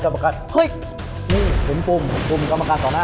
มันอาจจะเป็นจุดสำคัญละฮะ